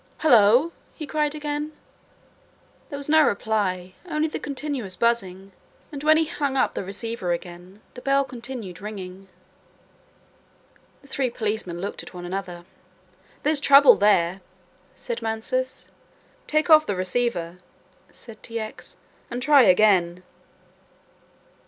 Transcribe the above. "Hullo," he cried again. There was no reply, only the continuous buzzing, and when he hung up the receiver again, the bell continued ringing. The three policemen looked at one another. "There's trouble there," said Mansus. "Take off the receiver," said T. X., "and try again."